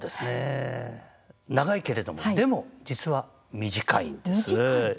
長いけれども実は短いんです。